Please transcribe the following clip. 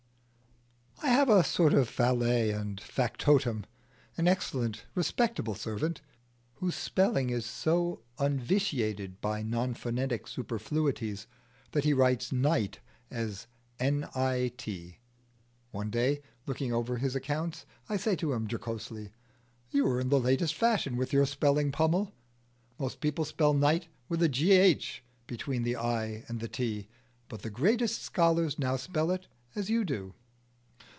I have a sort of valet and factotum, an excellent, respectable servant, whose spelling is so unvitiated by non phonetic superfluities that he writes night as nit. One day, looking over his accounts, I said to him jocosely, "You are in the latest fashion with your spelling, Pummel: most people spell "night" with a gh between the i and the t, but the greatest scholars now spell it as you do."